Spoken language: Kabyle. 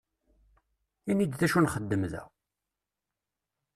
Ini-d d acu nxeddem da!